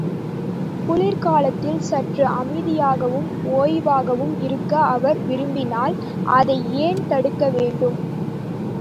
குளிர்காலத்தில் சற்று அமைதியாகவும் ஓய்வாகவும் இருக்க அவர் விரும்பினால், அதை ஏன் தடுக்க வேண்டும்?